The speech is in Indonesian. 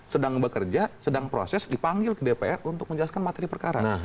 sedang bekerja sedang proses dipanggil ke dpr untuk menjelaskan materi perkara